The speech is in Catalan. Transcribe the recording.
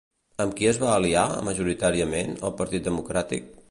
Amb qui es va aliar, majoritàriament, el partit democràtic?